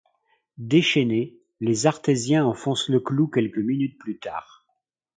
Déchaînés, les Artésiens enfoncent le clou quelques minutes plus tard.